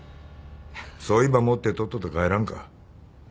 そいば持ってとっとと帰らんか。